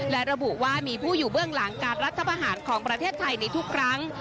และระบุว่ามีผู้อยู่เบื้องหลังการรัฐประหารของประเทศไทยในทุกครั้ง